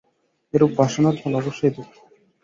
এইরূপ বাসনার ফল অবশ্যই দুঃখ।